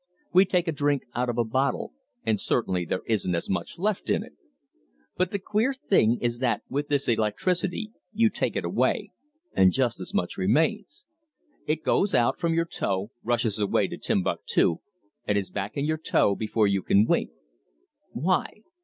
"We take a drink out of a bottle, and certainly there isn't as much left in it! But the queer thing is that with this electricity you take it away and just as much remains. It goes out from your toe, rushes away to Timbuctoo, and is back in your toe before you can wink. Why?